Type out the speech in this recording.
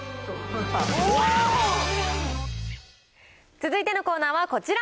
続いてのコーナーはこちら。